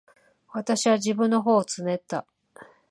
私は自分の頬をつねった。